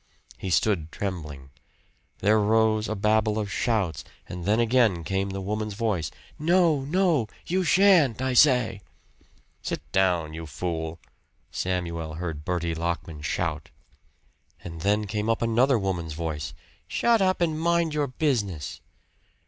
He stood trembling. There rose a babel of shouts, and then again came the woman's voice "No, no you shan't, I say!" "Sit down, you fool!" Samuel heard Bertie Lockman shout. And then came another woman's voice "Shut up and mind your business!"